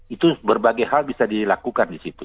itu berbagai hal bisa dilakukan disitu